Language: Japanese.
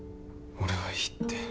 俺はいいって。